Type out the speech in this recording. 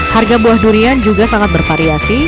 harga buah durian juga sangat bervariasi